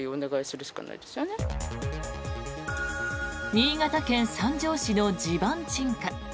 新潟県三条市の地盤沈下。